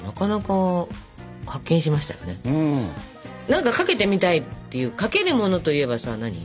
何かかけてみたいっていうかけるものといえばさ何？